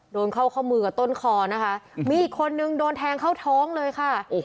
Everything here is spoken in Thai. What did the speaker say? โดนเข้าข้อมือกับต้นคอนะคะมีอีกคนนึงโดนแทงเข้าท้องเลยค่ะ